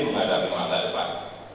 menghadapi masa depan